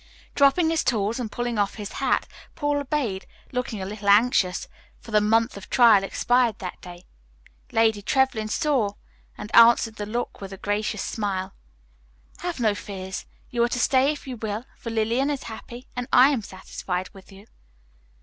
Dropping his tools and pulling off his hat, Paul obeyed, looking a little anxious, for the month of trial expired that day. Lady Trevlyn saw and answered the look with a gracious smile. "Have no fears. You are to stay if you will, for Lillian is happy and I am satisfied with you."